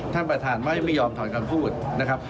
ท่านประธานไม่ยอมถอนคำพูดนะครับ